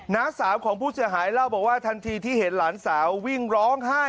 น้าสามของผู้เสียหายเล่าบอกว่า